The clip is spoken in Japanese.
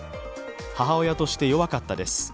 母親として弱かったです。